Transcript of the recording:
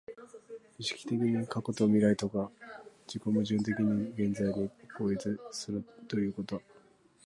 意識的に過去と未来とが自己矛盾的に現在に合一するということは、